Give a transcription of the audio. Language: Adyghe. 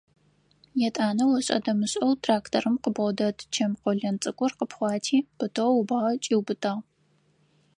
Етӏанэ ошӏэ-дэмышӏэу тракторым къыбгъодэт чэм къолэн цӏыкӏур къыпхъуати, пытэу ыбгъэ кӏиубытагъ.